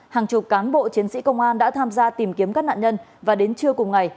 hàng chục cán bộ chiến sĩ công an đã tham gia tìm kiếm các nạn nhân và đến trưa cùng ngày